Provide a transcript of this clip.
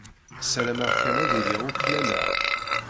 Ssarameɣ kan ad iliɣ uklaleɣ.